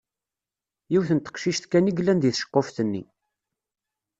Yiwet n teqcict kan i yellan deg tceqquft-nni.